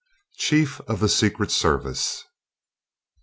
CHIEF OF THE SECRET SERVICE.